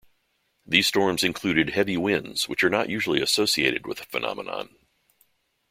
These storms included heavy winds which are not usually associated with the phenomenon.